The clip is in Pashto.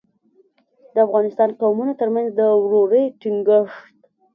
د افغانستان قومونو ترمنځ د ورورۍ ټینګښت.